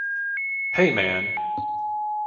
Hey man!